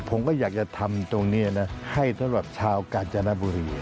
ผมก็อยากจะทำตรงนี้นะให้สำหรับชาวกาญจนบุรี